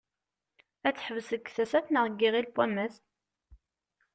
Ad teḥbes deg Tasaft neɣ deg Iɣil n wammas?